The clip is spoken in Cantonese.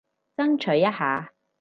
爭取一下